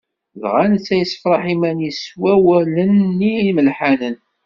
Dɣa netta yessefraḥ iman-is s wawlen-nni imelḥanen.